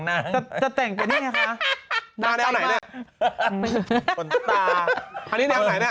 ตัวแรกจะแต่งเป็นนี่ไงค่ะหน้าแนวไหนเนี่ยขนตาอันนี้แนวไหนเนี่ย